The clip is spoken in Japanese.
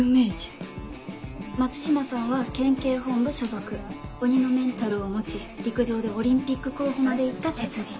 松島さんは県警本部所属鬼のメンタルを持ち陸上でオリンピック候補まで行った鉄人。